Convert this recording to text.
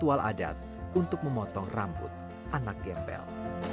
sebuah ritual adat untuk memotong rambut anak gembel